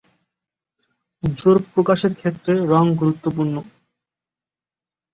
জোর প্রকাশের ক্ষেত্রে রং গুরুত্বপূর্ণ।